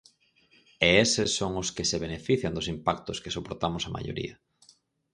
E eses son os que se benefician dos impactos que soportamos a maioría.